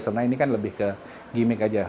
karena ini kan lebih ke gimmick aja